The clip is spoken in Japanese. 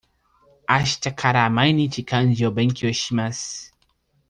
あしたから毎日漢字を勉強します。